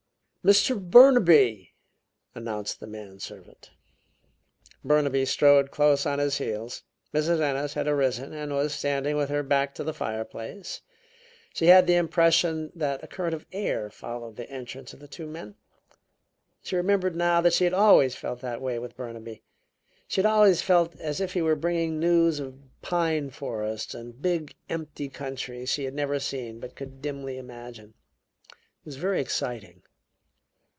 "Mr. Burnaby!" announced the man servant. Burnaby strode close on his heels. Mrs. Ennis had arisen and was standing with her back to the fireplace. She had the impression that a current of air followed the entrance of the two men. She remembered now that she had always felt that way with Burnaby; she had always felt as if he were bringing news of pine forests and big empty countries she had never seen but could dimly imagine. It was very exciting.